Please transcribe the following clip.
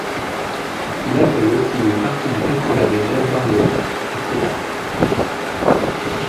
Il accueille aussi une partie du Festival de jazz d'Orléans, etc.